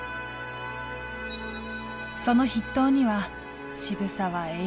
その筆頭には渋沢栄一。